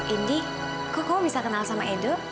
indi kok kamu bisa kenal sama edo